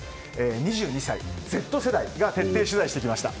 ２２歳がＺ世代が徹底取材してきました。